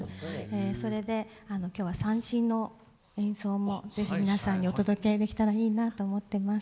それで今日は三線の演奏も是非皆さんにお届けできたらいいなと思ってます。